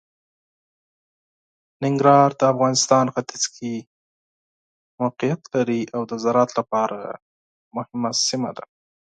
ننګرهار د افغانستان ختیځ کې موقعیت لري او د زراعت لپاره مهمه سیمه ده.